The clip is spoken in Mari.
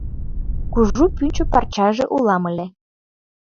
Кужу пӱнчӧ парчаже улам ыле.